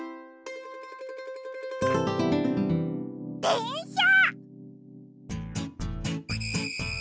でんしゃ！